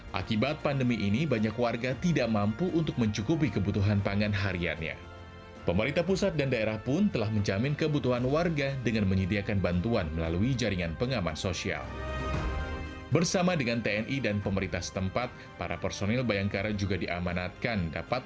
fungsi kepolisian adalah salah satu fungsi pemerintahan negara di bidang pemeliharaan keamanan dan ketertiban masyarakat